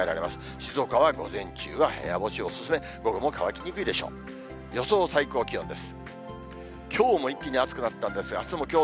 静岡は午前中は部屋干し、お勧め、午後も乾きにくいでしょう。